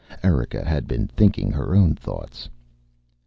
Erika had been thinking her own thoughts.